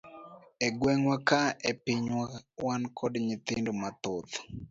E gwengwa ka e pinywa wan koda nyithindo mathoth.